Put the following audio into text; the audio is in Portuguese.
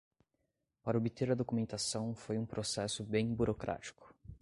Para obter a documentação, foi um processo bem burocrático